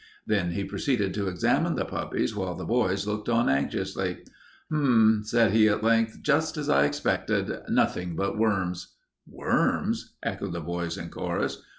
Then he proceeded to examine the puppies while the boys looked on anxiously. "Hm," said he at length. "Just as I expected. Nothing but worms." "Worms?" echoed the boys in chorus.